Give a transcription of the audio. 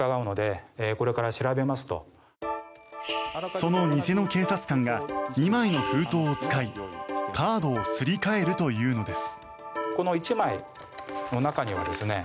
その偽の警察官が２枚の封筒を使いカードをすり替えるというのです。